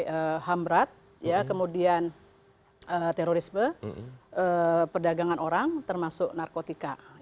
dari hamrat kemudian terorisme perdagangan orang termasuk narkotika